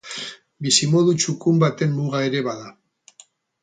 Bizimodu txukun baten muga ere bada.